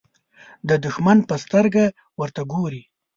د دښمن په سترګه ورته ګوري.